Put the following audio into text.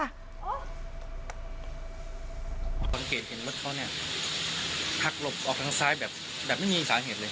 สังเกตเห็นรถเขาเนี่ยหักหลบออกทางซ้ายแบบไม่มีสาเหตุเลย